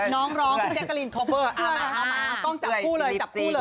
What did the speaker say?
น้องร้องพี่แจ๊กกะลินเอามาจับคู่เลย